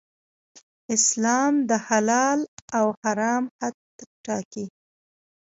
اسلام د حلال او حرام حد ټاکي.